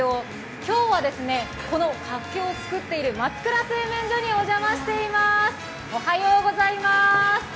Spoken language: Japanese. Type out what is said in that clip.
今日はこのかっけを作っている松倉製麺所にお邪魔していますおはようございます。